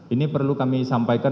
ini perlu kami sampaikan